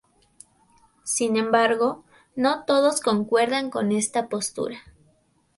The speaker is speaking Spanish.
Sin embargo, no todos concuerdan con esta postura.